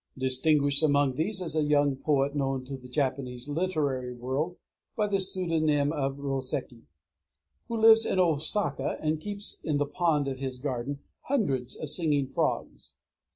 Distinguished among these is a young poet known to the Japanese literary world by the pseudonym of "Roséki," who lives in Ōsaka and keeps in the pond of his garden hundreds of singing frogs.